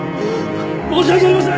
申し訳ありません！